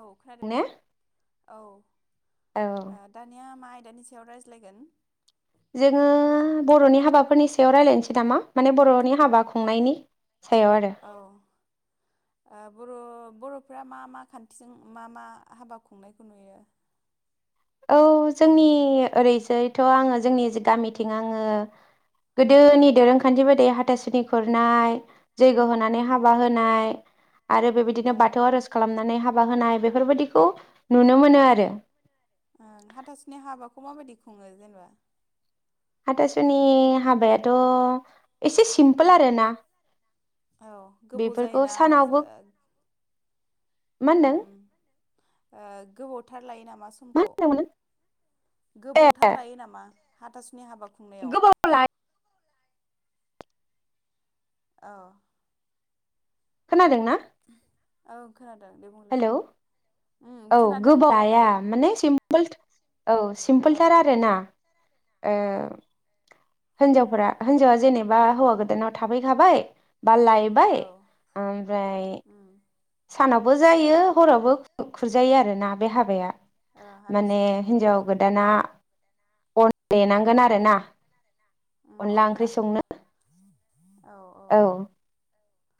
औ नो खोनादों औ दानिया माइ दानि सायाव रायज्लायगोन? जोंङो बर'नि हाबाफोरनि सायाव रायजलायनोसै नामा? माने बर'नि हाबा खुंनायनि। सायाव आरो औ बर' बर'फ्रा मा मा खान्थिजों मा मा हाबा खुंनायखौ नुयो? औ जोंनि ओरैजायथ' आङो जोंनि गामिथिं आङो गोदोनि दोरोंखान्थि बाददि हाथासुनि खुरनाय जैग्य होनानै हाबा उम होनाय। आरो बेबायदिनो औ बाथौ आर'ज खालामनानै हाब हाबा होनाय बेफोरबायदिखौ नुनो मोन आरो। ओं हाथासुनि हाबाखौ माबायदि खुङो जेनेबा? हाथासुनि हाबायाथ' एसे सिमपोल उम आरोना औ गोबाव बेफोरखौ जायोना लास सानावबो ओ मा ओ होनदों गोबावथार लायो नामा मा समखौ, होनदोंमोन ए गोबावथार लायो नामा? हाथासुनि हाबा खुंनायाव। गोबाव लायो औ। खोनादों ना? औ। खोनादों दे बुंलाय हेलौ उम औ खोनादों खोनादों गोबावाया माने सिमपोल औ औ सिम्पोलथार आरोना ओ। औ हिनजावफोरा हिनजावा जेनेबा हौवा गोदानाव थाफैखाबाय बा लायबाय औ ओमफ्राय उम सानावबो जायो हरावबो खुरजायो आरो ना बे हाबाया। ओ माने हाथासुनिखौ आरो हिनजाव गोदाना अन देनांगोन आरोना। अनला ओंख्रि संनो औ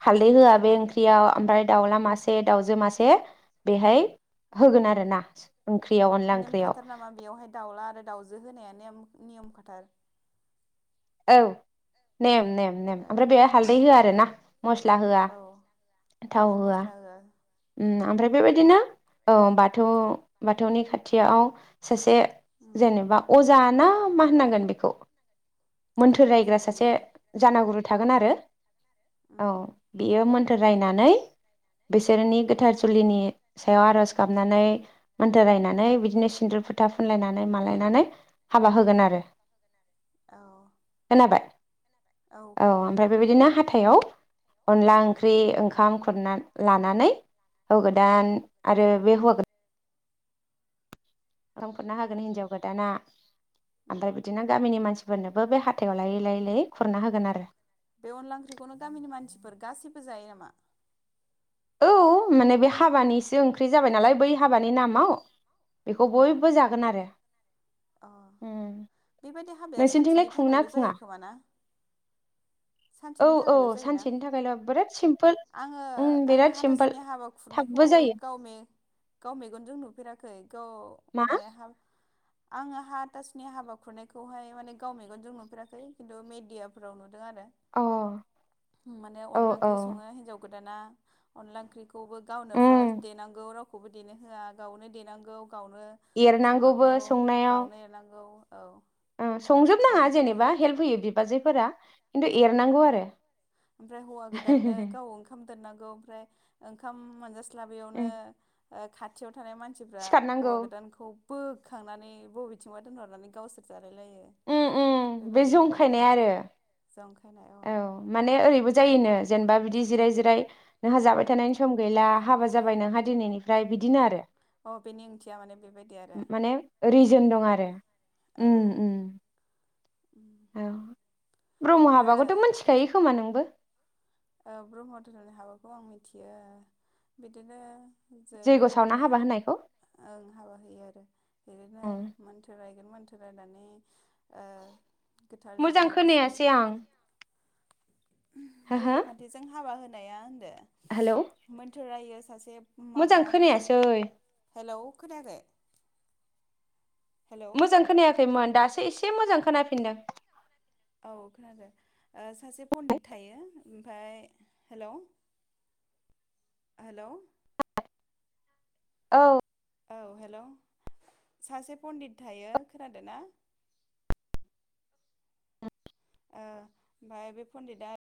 हालदै होआ बे ओमफ्राय ओंख्रियाव ओमफ्राय दाउला मासे से दाउजो मासे बेहाय औ होगोन आरो ना ओंख्रियाव अनला ओंख्रियाव। दाावजो होनाया नियम खाथार औ। नेम नेम नेम ओमफ्राय बे हालदै ओ औ होआ आरो ना मस्ला होआ औ थाव हालदै होआ। मस्ला ओम उम ओमफ्राय उम बेबायदिनो औ बाथौ बाथौनि खाथियाव सासे उम जेनेबा अज जाना मा होननांगोन बेखौ? औ मोन्थोर अजा रायग्रा सासे दौरि जानागुरु थागोन आरो। औ उम बेयो मोनथो रायनानै बिसोरनि उम गोथार जुलिनि सायाव आरज गाबनानै मान्थोर रायनानै बिदिनो सिन्दुर फोथा फुनलायनानै मालायनानै हाबा होगोन आरो। औ। हाबाय औ ओमफ्राय बेबायदिनो हाथ हाथायाव अनला ओंख्रि, ओंखाम खुरना लानानै होवा गोदान आरो बे हौवा गोदान ओंखाम खुरना उम होगोन हिन्जाव गोदाना उम ओमफ्राय बिदिनो गामिनि मानसि फोरनोबो बे हाथायाव लायै लायै लायै खुरना होगोन आरो। बे अनला ओंख्रिखौनो गामिनि मानसिफोर गासिबो जायो नामा? औ माने बे हाबानिसो ओंख्रि जाबाय नालाय बै हाबानि नामाव। बेखौ औ बयबो जागोन आरो अ उम बेबायदि हाबाया सानसेनि नोंसोरनिथिंलाय खुङो ना थाखायल' जायो खुङा? खोमा ना औ सानसेनि औ थाखायल' जायोना? सानसेनि थाखायल' बिराद सिम्पोल आङो उम आङो बिराद सिम्पोल हाथासुनि हाबा खुरनायखौ थाबबो जायो गाव मे-गाव मेगनजों नुफे फेराखै। ग मा माने हा आङो हाथासुनि हाबा खुरनायखौहाय माने गाव मेगनजों नुफेराखै खिन्थु मेडियाफोराव नु दो आरो अ माने औ अनला औ ओंख्रि सङो हिनजाव गो दाना अनला ओंख्रिखौ खौबो गावनो फार्स्ट उम देनांगौ राव रावखौबो देनो होआ गावनो देनांगौ। गावनो एरनांगौबो संनांगौ संनायाव गावनो एरनांगौ। औ। ओ संजोब नाङा बेनिफ्राय जेनेबा हेल्प होयो बि बाजैफोरा औ ओमफ्राय हौवा गोदाननो गाव ओंखाम दोननांगौ गौ ओमफ्राय ओंखाम मोनजा स्लाबियावनो ओ खाथियाव थानाय मानसिफ्रा सिखारनांगौ हौवा गोदानखौ बोखांनानै बबेथिंबा दोनहरनानै गावसोर जा उम उम बे जंखायनाय आरो। दंखाय औ माने ओरैबो जायोनो जेनेबा बिदि जिराय जिराय नोंहा जाबाय थानायनि सम गैला हाबा जाबाय नोंहा दिनैनि ओमफ्राय बिदिनो आरो औ बेनि ओंथिया माने बेबायदि आरो माने रिजोन दं आरो औ उम उम उम औ दा जायोखोमा नोंबो औ ब्रह्म धोरोमनि हाबाखौ आं मिथियो बिदिनो जैग सावना होनानै हाबा होनायखौ ओं हाबा होयो आरो बिदिनो उम मोनथोर रायगोन मोन थरायनानै ओ गोथार मोजां जुलि बिसोर खालामो हा हा नों हाबा होनाया होनदो मोनथोर रायो मोजां खोनायासै हेलौ खोनायाखै हेलौ मोजां खोनायाखैमोन दासो एसे मोजां खोनाफिनदों औ खोनादों ओ सासे पण्डित थायो ओमफाय हेलौ हेल औ औ हेलौ सासे पण्डित थायो खोनादों ना ओ ओमफ्राय बे पण्डिआ आ